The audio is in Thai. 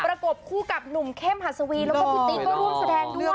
ประกบคู่กับหนุ่มเข้มหัสวีแล้วก็พี่ติ๊กก็ร่วมแสดงด้วย